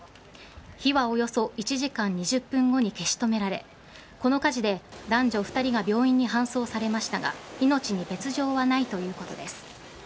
火はおよそ１時間２０分後に消し止められこの火事で男女２人が病院に搬送されましたが命に別条はないということです。